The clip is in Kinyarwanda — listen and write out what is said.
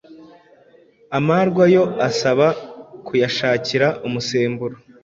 Amarwa yo asaba kuyashakira umusemburo